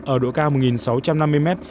ở độ cao một sáu trăm năm mươi m